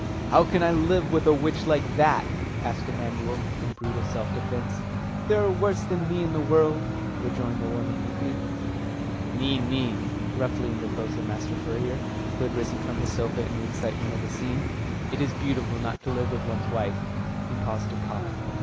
"How can I live with an old witch like that?" asked Emanuel, in brutal self defence. "There are worse than me in the world," rejoined the woman meekly. "Nee, nee," roughly interposed the master furrier, who had risen from his sofa in the excitement of the scene. "It is not beautiful not to live with one's wife." He paused to cough.